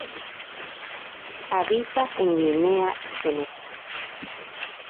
Habita en Guinea y Senegal.